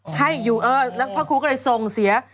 ได้อยู่แล้วพระครูกลายทรงเสีย